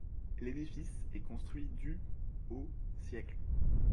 L'édifice est construit du au siècles.